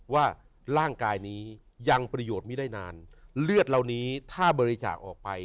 ว่าร่างกายนี้ยังประโยชน์ไม่ได้นานเลือดเหล่านี้ถ้าบริจาคออกไป